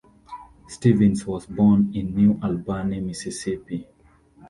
Stephens was born in New Albany, Mississippi.